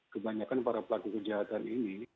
kebanyakan para pelaku kejahatan ini